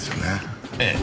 ええ。